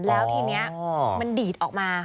แล้วทีนี้มันดีดออกมา